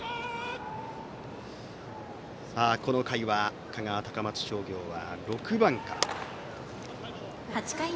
この回は香川・高松商業は６番から。